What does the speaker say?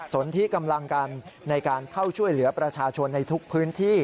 สนที่กำลังกันในการเข้าช่วยเหลือประชาชนในทุกพื้นที่